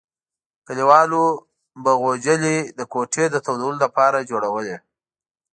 کلیوالو به غوجلې د کوټې د تودولو لپاره جوړولې.